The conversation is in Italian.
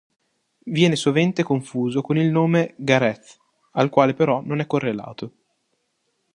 Viene sovente confuso con il nome Gareth, al quale però non è correlato.